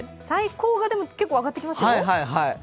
最高が結構上がってきますよ。